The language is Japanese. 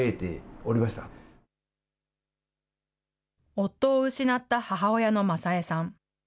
夫を失った母親のまさ江さん。